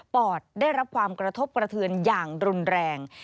อดได้รับความกระทบกระเทือนอย่างรุนแรง